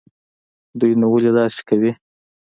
دوى نو ولې داسې کوي.